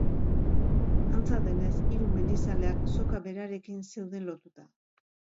Antza denez, hiru mendizaleak soka berarekin zeuden lotuta.